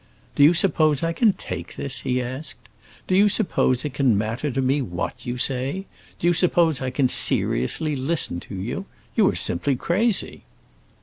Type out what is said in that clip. "Do you suppose I can take this?" he asked. "Do you suppose it can matter to me what you say? Do you suppose I can seriously listen to you? You are simply crazy!"